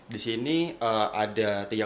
di sini ada